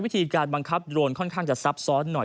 วิธีการบังคับโดรนค่อนข้างจะซับซ้อนหน่อย